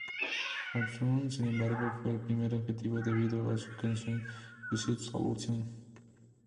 Osbourne, sin embargo, fue el primer objetivo, debido a su canción "Suicide Solution".